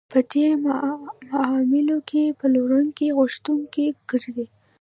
په دې معاملو کې پلورونکی غوښتونکی ګرځي